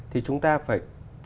thì chúng ta phải